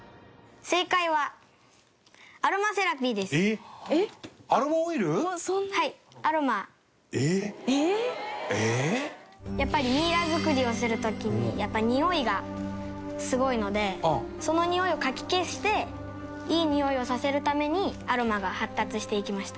環子ちゃん：やっぱりミイラ作りをする時にやっぱり、においがすごいのでそのにおいをかき消していいにおいをさせるためにアロマが発達していきました。